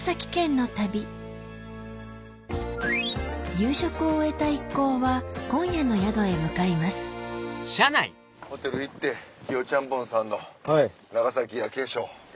夕食を終えた一行は今夜の宿へ向かいますホテル行ってキヨちゃんぽんさんの長崎夜景ショー。